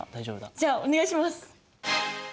じゃあお願いします。